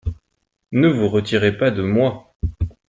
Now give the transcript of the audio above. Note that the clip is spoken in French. Ne vous retirez pas de moi.